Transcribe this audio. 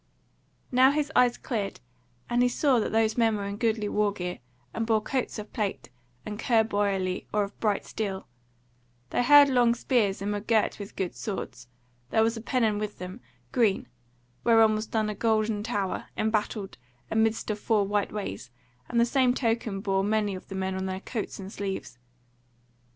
Now his eyes cleared, and he saw that those men were in goodly war gear, and bore coats of plate, and cuir bouilly, or of bright steel; they held long spears and were girt with good swords; there was a pennon with them, green, whereon was done a golden tower, embattled, amidst of four white ways; and the same token bore many of the men on their coats and sleeves.